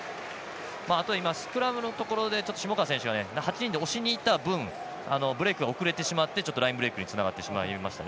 スクラムのところで下川選手が８人で押しにいった分ブレイクが遅れてしまってラインブレイクにつながってしまいました。